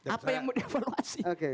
apa yang mau diavaluasi